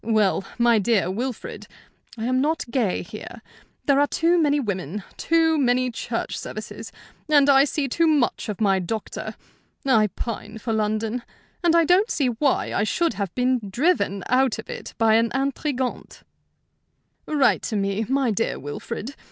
Well, my dear Wilfrid, I am not gay here. There are too many women, too many church services, and I see too much of my doctor. I pine for London, and I don't see why I should have been driven out of it by an intrigante. "Write to me, my dear Wilfrid.